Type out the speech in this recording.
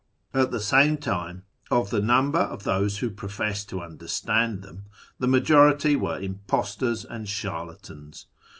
At the same time, of the number of those wlio pro I'essed to understand them the majority were impostors and harlatans.